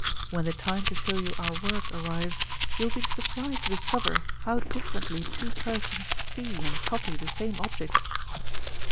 When the time to show you our work arrives, you will be surprised to discover how differently two persons see and copy the same object."